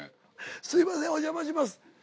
すいませんお邪魔します。